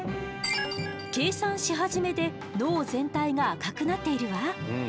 計算し始めで脳全体が赤くなっているわ。